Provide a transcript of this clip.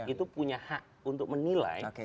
itu punya hak untuk menilai